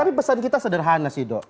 tapi pesan kita sederhana sih dok